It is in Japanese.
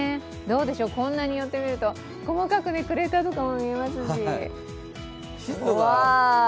こんなに寄ってみると、細かくクレーターとかも見えますし。